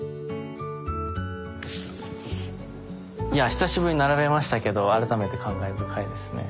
いや久しぶりに並べましたけど改めて感慨深いですね。